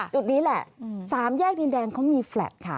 จุดนี้แหละ๓แยกดินแดงเขามีแฟลต์ค่ะ